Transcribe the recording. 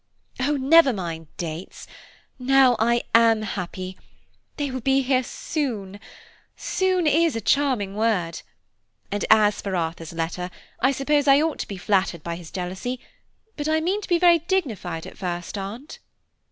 "Oh! never mind dates. Now I am happy. They will be here soon–soon is a charming word, and as for Arthur's letter, I suppose I ought to be flattered by his jealousy, but I mean to be very dignified at first, Aunt."